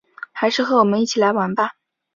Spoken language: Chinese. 还是和我们一起来玩吧